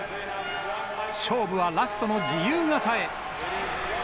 勝負はラストの自由形へ。